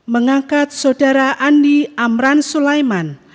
mengangkat saudara andi amran sulaiman